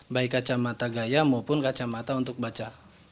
baik kacamata gaya maupun kacamata untuk baca